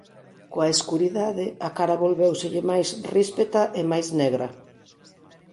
Coa escuridade, a cara volvéuselle máis ríspeta e máis negra.